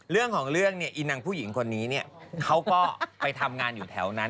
เรื่องของเรื่องเนี่ยอีนังผู้หญิงคนนี้เนี่ยเขาก็ไปทำงานอยู่แถวนั้น